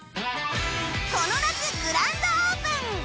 この夏グランドオープン！